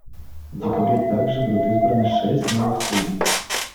В декабре также будут избраны шесть новых судей.